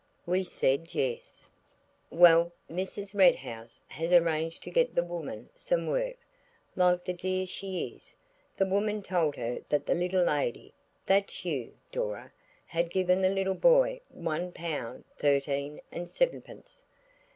We said "Yes." "Well, Mrs. Red House has arranged to get the woman some work–like the dear she is–the woman told her that the little lady–and that's you, Dora–had given the little boy one pound thirteen and sevenpence."